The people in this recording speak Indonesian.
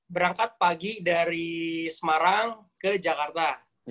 berangkat pagi dari semarang ke jakarta